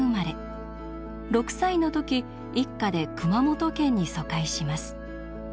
６歳の時一家で熊本県に疎開します。